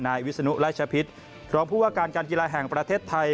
วิศนุราชพิษรองผู้ว่าการการกีฬาแห่งประเทศไทย